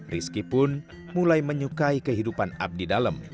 rizky pun mulai menyukai kehidupan abdi dalam